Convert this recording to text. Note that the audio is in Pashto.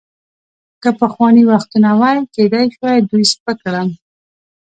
که پخواني وختونه وای، کیدای شوای دوی سپک کړم.